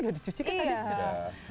udah dicuci kan tadi